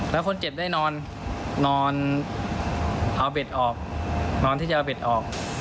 แล้วคนเจ็บได้นอนเอาเบ็ดออกนอนที่จะเอาเบ็ดออก